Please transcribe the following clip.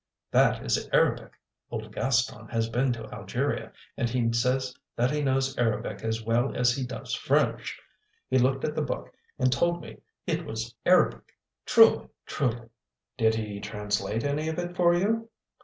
"That is Arabic. Old Gaston has been to Algeria, and he says that he knows Arabic as well as he does French. He looked at the book and told me it was Arabic. Truly! Truly!" "Did he translate any of it for you?"